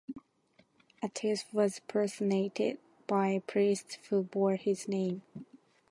Attis was personated by priests who bore his name.